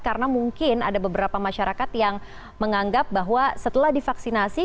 karena mungkin ada beberapa masyarakat yang menganggap bahwa setelah divaksinasi